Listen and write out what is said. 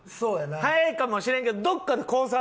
速いかもしれんけどどっかでコース